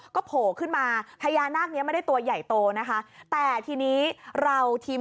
ก็โผล่ขึ้นมาพญานาคเนี้ยไม่ได้ตัวใหญ่โตนะคะแต่ทีนี้เราทีม